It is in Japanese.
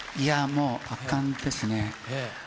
もう、圧巻ですね。